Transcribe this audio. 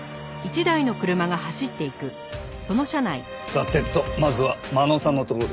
さてとまずは真野さんのところですね。